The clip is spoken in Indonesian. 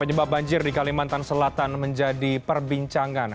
penyebab banjir di kalimantan selatan menjadi perbincangan